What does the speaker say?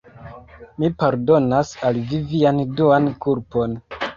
Mi pardonas al vi vian duan kulpon.